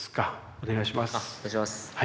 お願いします。